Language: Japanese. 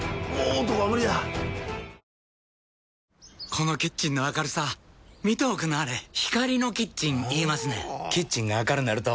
このキッチンの明るさ見ておくんなはれ光のキッチン言いますねんほぉキッチンが明るなると・・・